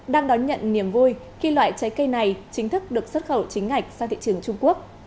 đang đón nhận niềm vui khi loại trái cây này chính thức được xuất khẩu chính ngạch sang thị trường trung quốc